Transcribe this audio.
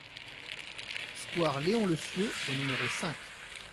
Square Léon Lecieux au numéro cinq